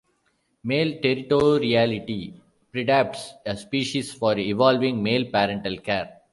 Male territoriality "preadapts" a species for evolving male parental care.